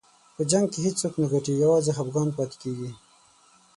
په جنګ کې هېڅوک نه ګټي، یوازې خفګان پاتې کېږي.